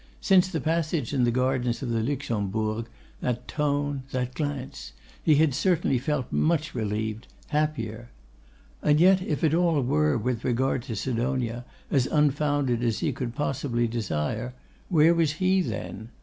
Since the passage in the gardens of the Luxembourg, that tone, that glance, he had certainly felt much relieved, happier. And yet if all were, with regard to Sidonia, as unfounded as he could possibly desire, where was he then?